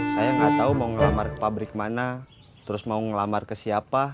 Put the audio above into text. saya nggak tahu mau melamar ke pabrik mana terus mau melamar ke siapa